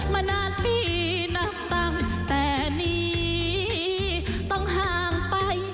มานานปีนับตั้งแต่นี้ต้องห่างไป